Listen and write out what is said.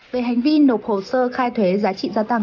về hành vi nộp hồ sơ khai thuế giá trị gia tăng